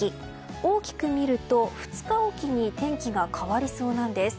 大きく見ると２日おきに天気が変わりそうなんです。